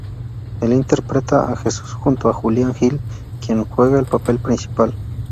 Él interpreta a Jesús junto a Julián Gil, quien juega el papel principal.